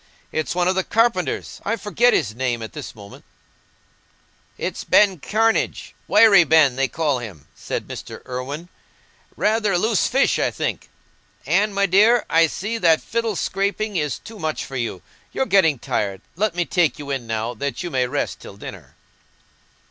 It's one of the carpenters—I forget his name at this moment." "It's Ben Cranage—Wiry Ben, they call him," said Mr. Irwine; "rather a loose fish, I think. Anne, my dear, I see that fiddle scraping is too much for you: you're getting tired. Let me take you in now, that you may rest till dinner."